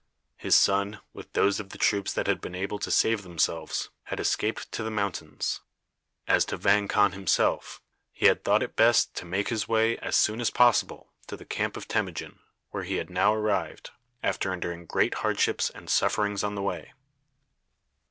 His son, with those of the troops that had been able to save themselves, had escaped to the mountains. As to Vang Khan himself, he had thought it best to make his way, as soon as possible, to the camp of Temujin, where he had now arrived, after enduring great hardships and sufferings on the way.